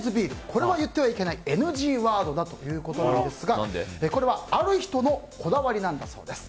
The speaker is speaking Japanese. これは言ってはいけないＮＧワードだということですがこれはある人のこだわりなんだそうです。